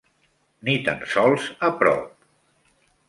Ni tan sols a prop.